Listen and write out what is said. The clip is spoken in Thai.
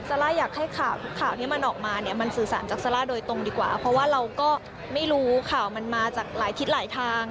ซาร่าอยากให้ข่าวที่มันออกมาเนี่ยมันสื่อสารจากซาร่าโดยตรงดีกว่าเพราะว่าเราก็ไม่รู้ข่าวมันมาจากหลายทิศหลายทาง